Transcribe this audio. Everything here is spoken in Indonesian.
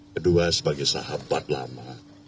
kedua sebagai sahabat lama